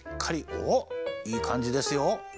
おっいいかんじですよ。